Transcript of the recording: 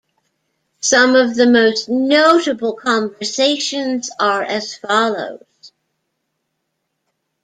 Some of the most notable conversations are as follows.